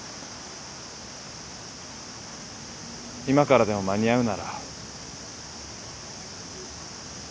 今からでも間に合うなら。